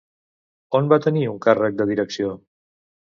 On va tenir un càrrec de direcció?